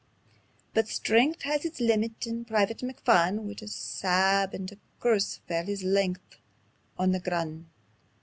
But strength has its leemit, and Private McPhun, Wi' a sab and a curse fell his length on the grun'.